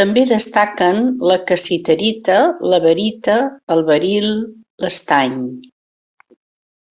També destaquen la cassiterita, la barita, el beril, l'estany.